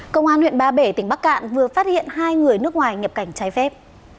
công an huyện ba bể tỉnh bắc cạn vừa phát hiện hai người nước ngoài nhập cảnh trái phép